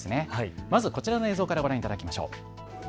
まずこちらの映像からご覧いただきましょう。